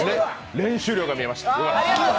練習量が見えました。